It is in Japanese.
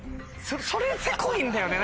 それせこいんだよ